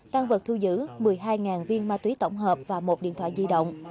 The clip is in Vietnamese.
tăng vật thu giữ một mươi hai viên ma túy tổng hợp và một điện thoại di động